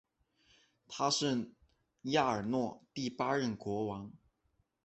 他是亚尔诺第八任国王。